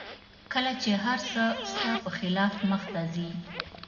کله چې هر څه ستا په خلاف مخته ځي